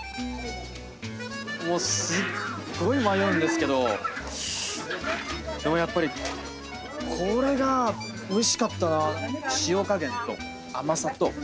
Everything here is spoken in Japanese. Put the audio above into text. もうすっごい迷うんですけどでもやっぱりこれがおいしかったな。